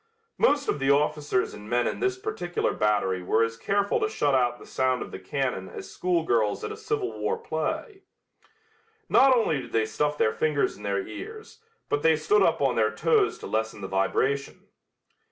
Most of the officers and men in this particular battery were as careful to shut out the sound of the cannon as schoolgirls at a Civil War play. Not only did they stuff their fingers in their ears, but they stood up on their toes to lessen the vibration.